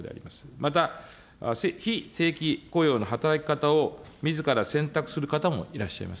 また、非正規雇用の働き方をみずから選択する方もいらっしゃいます。